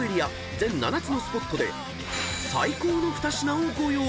全７つのスポットで最高の２品をご用意］